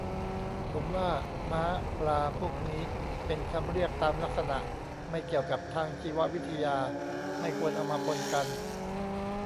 ผมว่า ม้า ปลา พวกนี้ เป็นคำเรียกตามลักษณะ ไม่เกี่ยวกับทางชีววิทยา ไม่ควรเอามาปนกัน